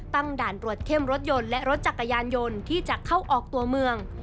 ด่านตรวจเข้มรถยนต์และรถจักรยานยนต์ที่จะเข้าออกตัวเมือง